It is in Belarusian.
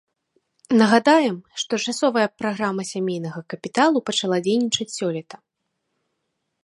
Нагадаем, што часовая праграма сямейнага капіталу пачала дзейнічаць сёлета.